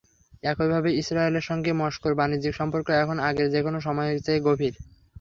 একইভাবে ইসরায়েলের সঙ্গে মস্কোর বাণিজ্যিক সম্পর্ক এখন আগের যেকোনো সময়ের চেয়ে গভীর।